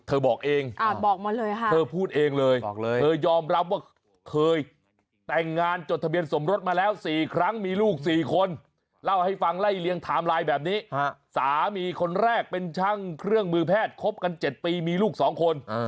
เธอบอกเองอ่าบอกมาเลยค่ะเธอพูดเองเลย